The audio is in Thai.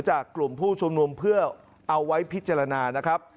จากกลุ่มผู้ชุมนุมเพื่อเอาไว้พิจารณานะครับ